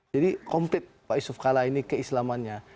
jadi komplit pak yusuf kalla ini keislamannya